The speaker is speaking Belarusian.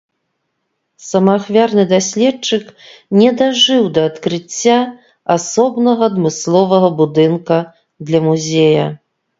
Самаахвярны даследчык не дажыў да адкрыцця асобнага адмысловага будынка для музея.